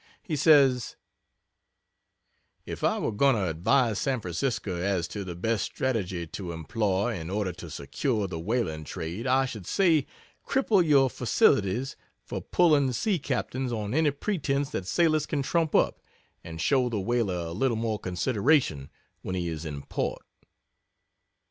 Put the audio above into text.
He says: "If I were going to advise San Francisco as to the best strategy to employ in order to secure the whaling trade, I should say, 'Cripple your facilities for "pulling" sea captains on any pretence that sailors can trump up, and show the whaler a little more consideration when he is in port.'"